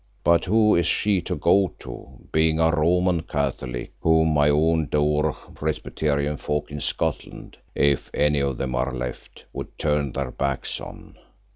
But who is she to go to, being a Roman Catholic whom my own dour Presbyterian folk in Scotland, if any of them are left, would turn their backs on?